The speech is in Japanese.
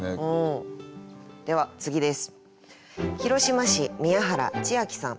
では次です。